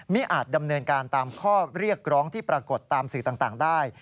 อาจดำเนินการตามข้อเรียกร้องที่ปรากฏตามสื่อต่างได้